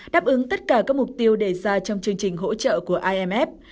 đáp ứng tất cả các mục tiêu đề ra trong chương trình hỗ trợ của imf